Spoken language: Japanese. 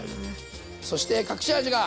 そして隠し味が！